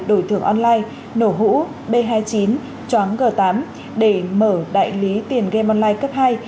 đổi thưởng online nổ hũ b hai mươi chín choáng g tám để mở đại lý tiền game online cấp hai